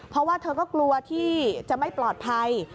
เพราะว่าเธอก็กลัวที่จะไม่ปลอดภัย